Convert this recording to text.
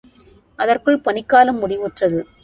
அதற்குள் பனிக்காலம் முடிவுற்றது.